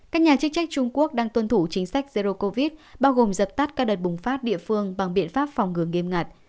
các nhà chức trách trung quốc đang tuân thủ chính sách zero covid bao gồm dập tắt các đợt bùng phát địa phương bằng biện pháp phòng ngừa nghiêm ngặt